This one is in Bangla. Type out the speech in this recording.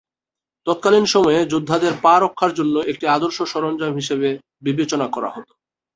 তৎকালীন সময়ে যোদ্ধাদের পা রক্ষার জন্য একটি আদর্শ সরঞ্জাম হিসেবে বিবেচনা করা হতো।